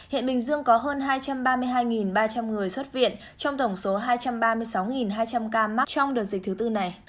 hiện bình dương có hơn hai trăm ba mươi hai ba trăm linh người xuất viện trong tổng số hai trăm ba mươi sáu hai trăm linh ca mắc trong đợt dịch thứ tư này